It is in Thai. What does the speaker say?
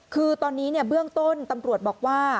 คือตอนนี้เบื้องต้นตำรวจบอกว่า